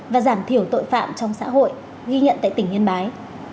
và giảm thiểu tội phạm trong xã hội ghi nhận tại tỉnh yên bái